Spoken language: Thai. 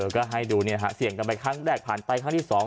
ก็ให้ดูเนี่ยฮะเสี่ยงกันไปครั้งแรกผ่านไปครั้งที่สอง